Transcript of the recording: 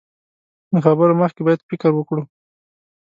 له خبرو مخکې بايد فکر وکړو.